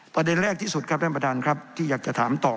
ประเด็นแรกที่สุดครับท่านประธานครับที่อยากจะถามต่อ